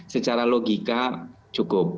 secara logika cukup